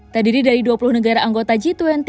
terdiri dari dua puluh negara anggota g dua puluh